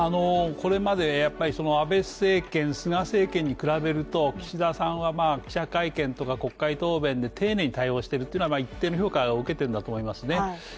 これまで安倍政権、菅政権に比べると岸田さんは記者会見とか国会答弁で丁寧に対応してるっていうのが一定の評価を受けてるんだと思いますね。